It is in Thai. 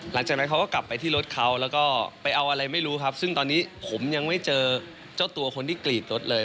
หลังจากนั้นเขาก็กลับไปที่รถเขาแล้วก็ไปเอาอะไรไม่รู้ครับซึ่งตอนนี้ผมยังไม่เจอเจ้าตัวคนที่กรีดรถเลย